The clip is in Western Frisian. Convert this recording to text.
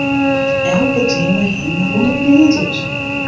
Elk petear mei him rûn op neat út.